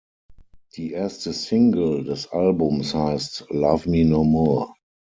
Die erste Single des Albums heißt "Love Me No More".